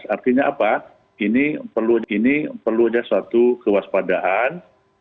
artinya apa ini perlu ada suatu kewaspadaan